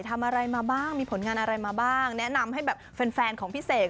ทำอะไรมาบ้างมีผลงานอะไรมาบ้างแนะนำให้แบบแฟนของพี่เสก